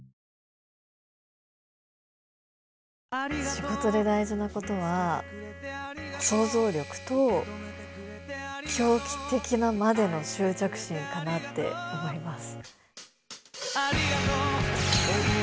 仕事で大事なことは想像力と狂気的なまでの執着心かなって思います。